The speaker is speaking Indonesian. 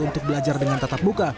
untuk belajar dengan tatap muka